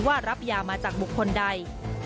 ว่ารับยามาจากบุคคลใด